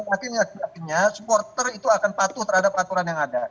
maksudnya supporter itu akan patuh terhadap aturan yang ada